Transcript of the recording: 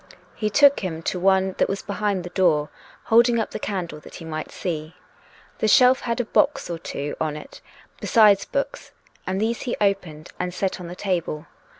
He took him to one that was behind the door, holding up the candle that he might see. The shelf had a box or two on it, besides books, and these he opened and set on the table.